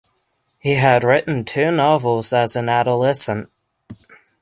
He had written two novels as an adolescent.